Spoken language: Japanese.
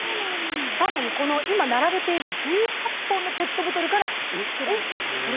更に、今並べている１８本のペットボトルから作られています。